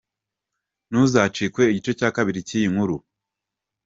Ntuzacikwe igice cya kabiri cy’iyi nkuru.